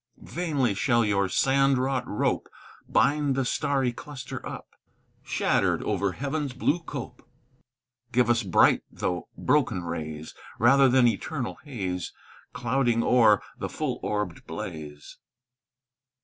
"Vainly shall your sand wrought rope Bind the starry cluster up, Shattered over heaven's blue cope! "Give us bright though broken rays, Rather than eternal haze, Clouding o'er the full orbed blaze.